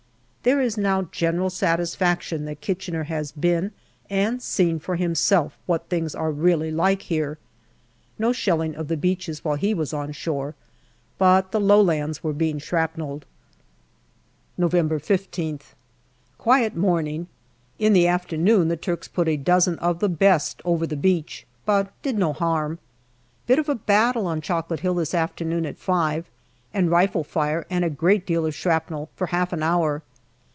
There is now general satisfaction that Kitchener has been and seen for himself what things are really like here. No shelling of the beaches while he was on shore, but the low lands were being shrapnelled. November 15th. Quiet morning. In the afternoon the Turks put a dozen of the best over the beach, but did no harm. Bit of a battle on Chocolate Hill this afternoon at five, and rifle fire, and a great deal of shrapnel, for half an hour.